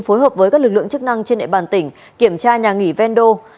phối hợp với các lực lượng chức năng trên địa bàn tỉnh kiểm tra nhà nghỉ vendo